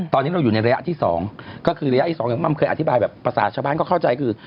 ตอนนี้เราอยู่ในระยะที่๒ก็คือระยะที่๒อย่างมัมเคยอธิบายแบบภาษาชาวบ้านก็เข้าใจคือ